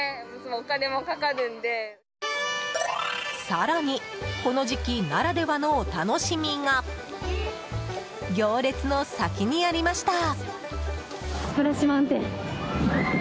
更にこの時期ならではのお楽しみが行列の先にありました。